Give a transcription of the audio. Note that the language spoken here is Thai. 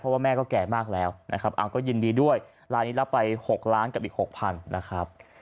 เพราะว่าแม่ก็แก่มากแล้วอังกษ์ก็ยินดีด้วยรายละไป๖ล้านบาทกับอีก๖๐๐๐บาท